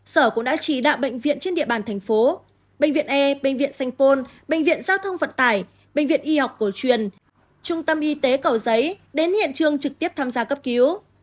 sở cũng đã chỉ đạo bệnh viện trên địa bàn thành phố bệnh viện e bệnh viện sanh pôn bệnh viện giao thông vận tải bệnh viện y học cổ truyền trung tâm y tế cầu giấy đến hiện trường trực tiếp tham gia cấp cứu